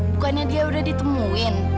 bukannya dia udah ditemuin